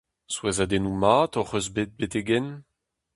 Souezhadennoù mat hoc'h eus bet betek-henn ?